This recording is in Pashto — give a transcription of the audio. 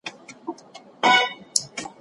پدي خاطر يو دبل په نوم نه سي ياديدلاى